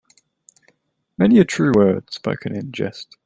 Many a true word spoken in jest.